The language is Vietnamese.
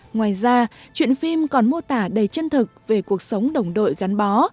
ngoài ra chuyện phim còn mô tả đầy chân thực về cuộc sống đồng đội gắn bó